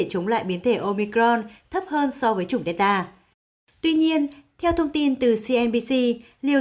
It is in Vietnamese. chống lại biến thể omicron thấp hơn so với chủng delta tuy nhiên theo thông tin từ cnbc liều